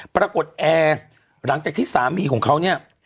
แอร์หลังจากที่สามีของเขาเนี่ย